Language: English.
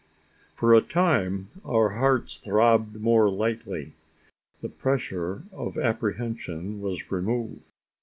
For a time, our hearts throbbed more lightly; the pressure of apprehension was removed.